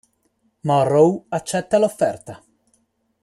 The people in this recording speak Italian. Morrow accetta l'offerta.